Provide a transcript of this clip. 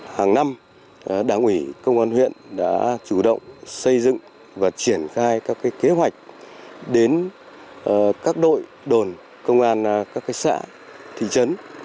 hàng năm đảng ủy công an huyện đã chủ động xây dựng và triển khai các kế hoạch đến các đội đồn công an các xã thị trấn